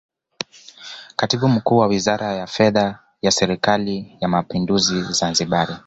Katibu Mkuu wa Wizara ya Fedha ya Serikali ya Mapinduzi Zanzibar